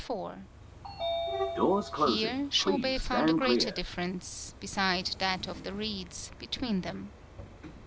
18 TAKASE BUNE Here, Shobei found a greater differ ence, beside that of the reeds, between them.